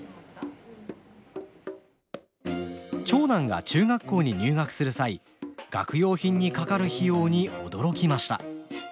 長男が中学校に入学する際学用品にかかる費用に驚きました。